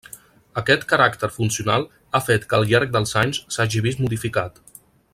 Aquest caràcter funcional ha fet que al llarg dels anys s'hagi vist modificat.